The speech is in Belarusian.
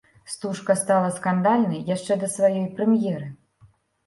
Стужка стала скандальнай яшчэ да сваёй прэм'еры.